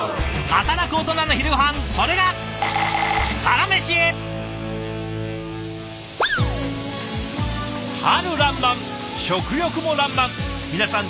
働くオトナの昼ごはんそれが春らんまん食欲もらんまん。